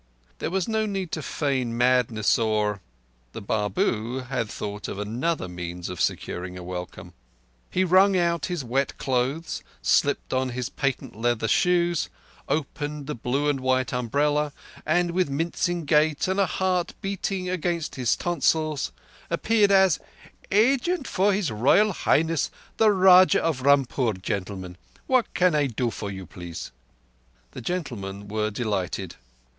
There was no need to feign madness or—the Babu had thought of another means of securing a welcome. He wrung out his wet clothes, slipped on his patent leather shoes, opened the blue and white umbrella, and with mincing gait and a heart beating against his tonsils appeared as "agent for His Royal Highness, the Rajah of Rampur, gentlemen. What can I do for you, please?" The gentlemen were delighted.